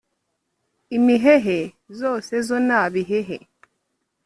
imhehe zose zo na bihehe